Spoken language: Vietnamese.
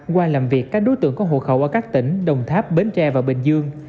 qua làm việc các đối tượng có hộ khẩu ở các tỉnh đồng tháp bến tre và bình dương